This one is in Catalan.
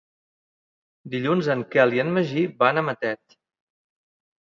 Dilluns en Quel i en Magí van a Matet.